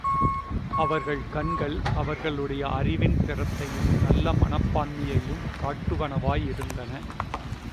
அவர்கள் கண்கள், அவர்களுடைய அறிவின் திறத்தையும் நல்ல மனப்பான்மையையும் காட்டுவனவாயிருந்தன.